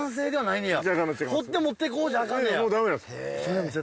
掘って持っていこうじゃあかんねや。